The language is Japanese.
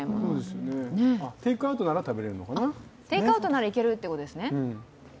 テイクアウトならいけるってことですね。